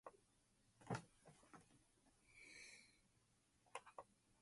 The main drawbacks are additional expense and a more limited selection.